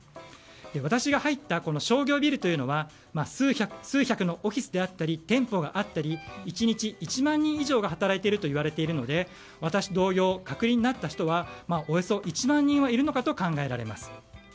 私が入った商業ビルというのは数百のオフィスであったり店舗があったり１日１万人以上が働いているといわれているので私と同様、隔離になった人はおよそ１万人はいるだろうと考えられます。